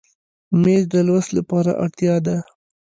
مېز د لوست لپاره اړتیا ده.